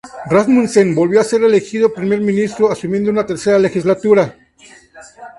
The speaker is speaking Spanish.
Rasmussen volvió a ser elegido Primer Ministro, asumiendo una tercera legislatura.